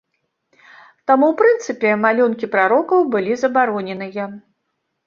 Таму, у прынцыпе, малюнкі прарокаў былі забароненыя.